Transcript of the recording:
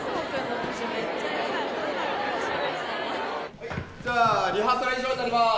・はいじゃあリハーサル以上になります